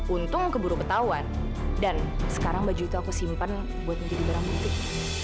untung keburu betahuan dan sekarang baju itu aku simpan buat menjadi barang bukti